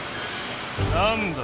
何だ？